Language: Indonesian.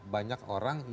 banyak orang yang